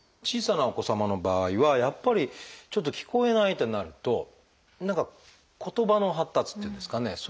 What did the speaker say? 小さなお子様の場合はやっぱりちょっと聞こえないってなると何か言葉の発達っていうんですかね